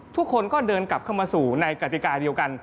ทุกคนก็เดินกลับเข้ามาสู่ในกติกาเดียวกัน